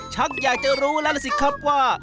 ชักอยากจะรู้แล้วล่ะสิครับว่า